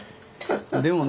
でもね